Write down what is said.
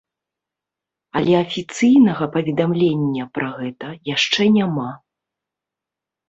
Але афіцыйнага паведамлення пра гэта яшчэ няма.